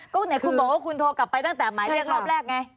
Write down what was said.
ก็ไหนคุณบอกว่าคุณโทรกลับไปตั้งแต่หมายเรียกรอบแรกไง